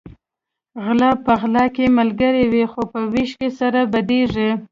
غلۀ په غلا کې ملګري وي خو په وېش کې سره بدیږي